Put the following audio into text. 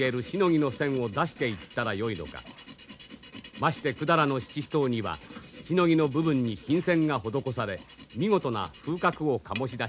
まして百済の七支刀には鎬の部分に金線が施され見事な風格を醸し出している。